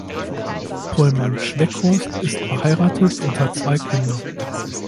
Pollmann-Schweckhorst ist verheiratet und hat zwei Kinder.